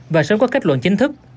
và sớm có kết luận chính thức